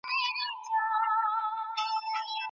ویټامینونه په کومو خوړو کي موندل کیږي؟